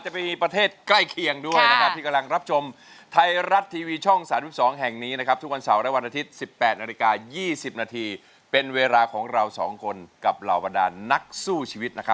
เป็นรายการร้องได้ให้ล้านลูกทุ่งสู้ชีวิต